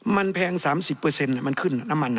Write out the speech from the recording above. มันแพง๓๐มันขึ้นน้ำมัน